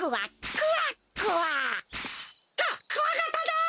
ククワガタだ！